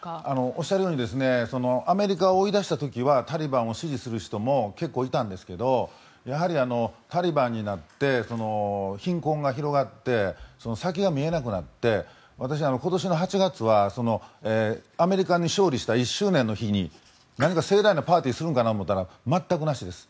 おっしゃるようにアメリカを追い出した時はタリバンを支持する人も結構いたんですけどやはり、タリバンになって貧困が広がって先が見えなくなって私、今年の８月はアメリカに勝利した１周年の日に何か盛大なパーティーをするんかなと思ったら全くなしです。